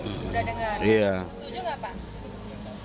udah dengar setuju gak pak